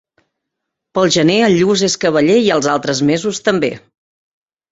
Pel gener el lluç és cavaller i els altres mesos també.